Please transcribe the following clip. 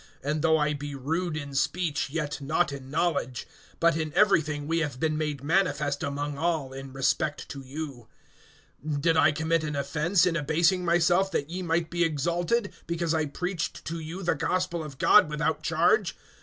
(6)And though I be rude in speech, yet not in knowledge; but in everything we have been made manifest among all, in respect to you. (7)Did I commit an offense in abasing myself that ye might be exalted, because I preached to you the gospel of God without charge.